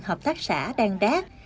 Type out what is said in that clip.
hợp tác xã đan đác